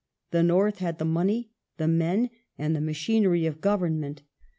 The North had the money, the men,^ and the machinery of Government.